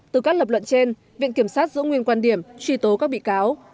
từ các lập luận trên viện kiểm sát giữ nguyên quan điểm truy tố các bị cáo